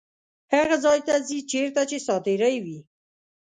هغه ځای ته ځي چیرته چې ساعتېرۍ وي.